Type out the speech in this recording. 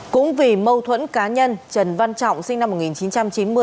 cũng vì mâu thuẫn cá nhân trần văn trọng sinh năm một nghìn chín trăm chín mươi